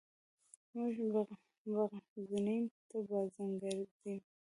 موږ بغزنین ته بازنګردیم.